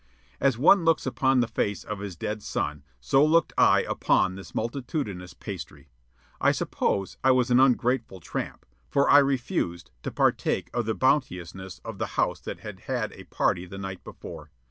As one looks upon the face of his dead son, so looked I upon that multitudinous pastry. I suppose I was an ungrateful tramp, for I refused to partake of the bounteousness of the house that had had a party the night before.